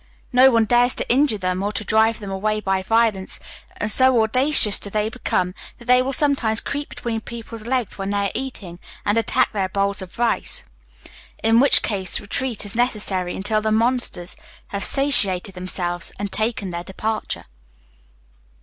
No one dares to injure them or to drive them away by violence, and so audacious do they become that they will sometimes creep between people's legs when they are eating, and attack their bowls of rice, in which case retreat is necessary until the monsters have satiated themselves, and taken their departure."